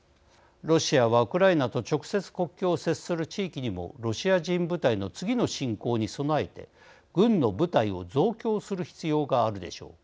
ロシアはウクライナと直接国境を接する地域にもロシア人部隊の次の侵攻に備えて軍の部隊を増強する必要があるでしょう。